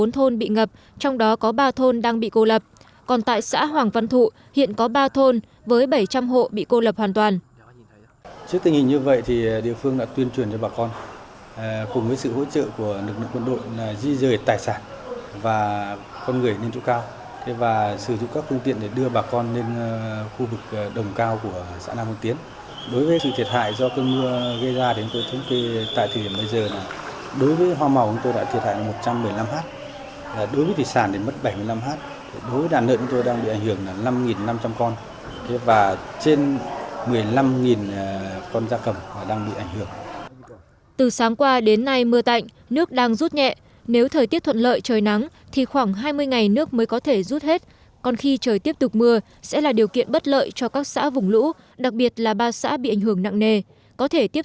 trước tình hình như vậy thì địa phương đã tuyên truyền cho bà con cùng với sự hỗ trợ của lực lượng quân đội di rời tài sản và con người lên khu vực đồng cao của xã nam phương tiến